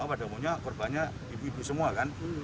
apa ada maunya korbannya ibu ibu semua kan